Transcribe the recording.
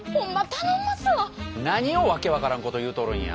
何を訳分からんこと言うとるんや。